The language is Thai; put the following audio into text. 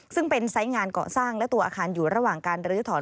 ซึ่งเป็นไซส์งานเกาะสร้างและตัวอาคารอยู่ระหว่างการลื้อถอน